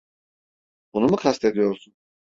Bunu mu kastediyorsun?